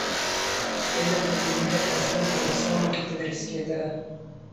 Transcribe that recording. علم په ديني مدرسو او کليساوو کي تدريس کيده.